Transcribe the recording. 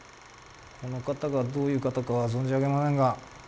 この方がどういう方かは存じ上げませんが。